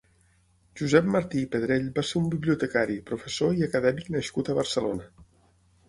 Josep Martí i Pedrell va ser un bibliotecari, professor i acadèmic nascut a Barcelona.